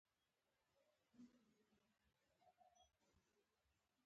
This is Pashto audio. ابن بطوطه پنځه پنځوس زره دیناره پوروړی وو.